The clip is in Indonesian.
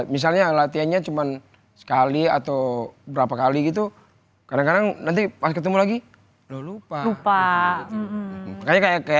misalnya latihannya cuman sekali atau berapa kali gitu karena nanti ketemu lagi lupa kayak kayak